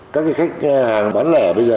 các cái khách hàng bán lẻ bây giờ